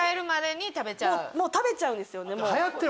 もう食べちゃうんですよね。